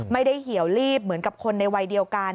เหี่ยวลีบเหมือนกับคนในวัยเดียวกัน